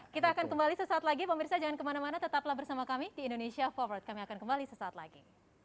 kita akan kembali sesaat lagi pemirsa jangan kemana mana tetaplah bersama kami di indonesia forward kami akan kembali sesaat lagi